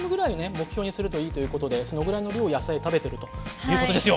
目標にするといいということでそのぐらいの量の野菜を食べているということですよ。